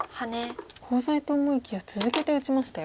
コウ材と思いきや続けて打ちましたよ。